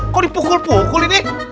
kok dipukul pukul ini